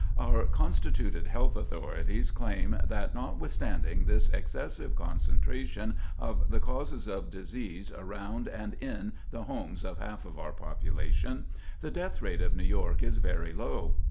Our constituted health authorities claim that notwithstanding this excessive concentration of the causes of disease around and in the homes of half of our population, the death rate of New York is very low.